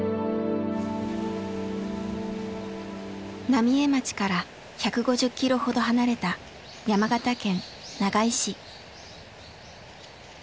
浪江町から１５０キロほど離れた山形県長井市。